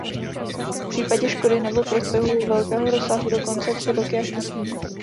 V případě škody nebo prospěchu velkého rozsahu dokonce tři roky až osm let.